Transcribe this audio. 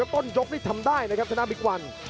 ต้นยกนี่ทำได้นะครับชนะบิ๊กวัน